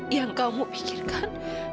yang kamu pikirkan